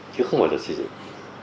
chứ không phải là xây dựng